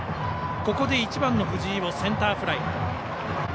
ここで１番の藤井をセンターフライ。